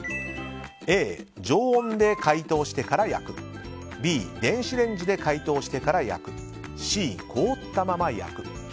Ａ、常温で解凍してから焼くＢ、電子レンジで解凍してから焼くＣ、凍ったまま焼く。